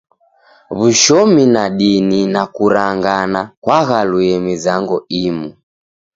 W'ushomi na dini na kuranganakwaghaluye mizango imu.